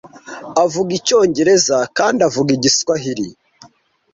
Avuga Icyongereza kandi avuga Igiswahiri.